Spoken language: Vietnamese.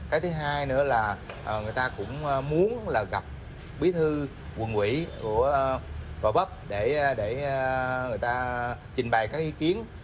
cái thứ hai nữa là người ta cũng muốn là gặp bí thư quận quỹ của gò bấp để người ta trình bày các ý kiến